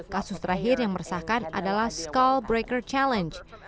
kasus terakhir yang meresahkan adalah scall breaker challenge